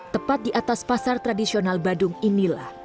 tepat di atas pasar tradisional badung inilah